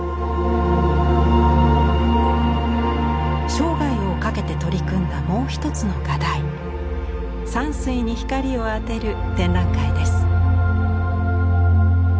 生涯をかけて取り組んだもう一つの画題山水に光を当てる展覧会です。